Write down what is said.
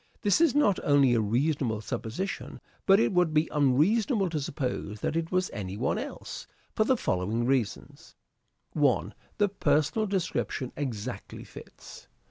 This is not only a reasonable supposition, but it would be unreasonable to suppose that it was any one else ; for the following reasons : 1. The personal description exactly fits.